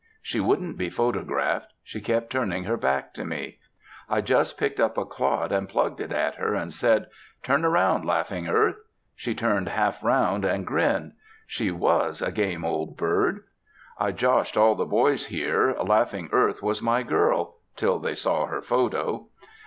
She wouldn't be photographed. She kept turning her back to me. I just picked up a clod and plugged it at her, and said, 'Turn round, Laughing Earth!' She turned half round, and grinned. She was a game old bird! I joshed all the boys here Laughing Earth was my girl till they saw her photo!"